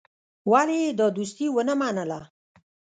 ولي يې دا دوستي ونه منله.